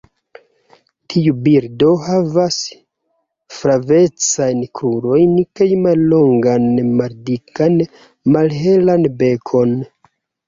Tiu birdo havas flavecajn krurojn kaj mallongan maldikan malhelan bekon.